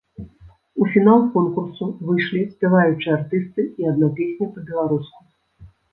У фінал конкурсу выйшлі спяваючыя артысты і адна песня па-беларуску.